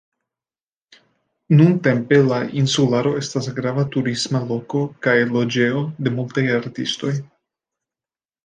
Nuntempe la insularo estas grava turisma loko kaj loĝejo de multaj artistoj.